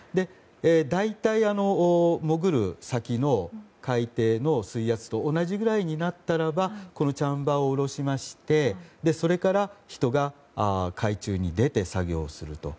大体、潜る先の海底の水圧と同じぐらいになったらこの設備を下ろしましてそれから人が海中に出て作業をすると。